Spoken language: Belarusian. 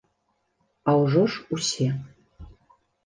А ўжо ж усе.